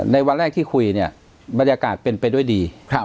ในวันแรกที่คุยเนี่ยบรรยากาศเป็นไปด้วยดี